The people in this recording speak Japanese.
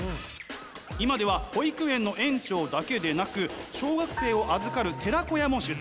今では保育園の園長だけでなく小学生を預かる寺子屋も主宰。